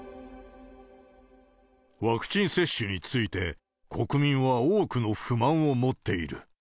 ワクチン接種について、国民は多くの不満を持っている。